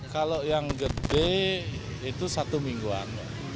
kalau yang gede itu satu mingguan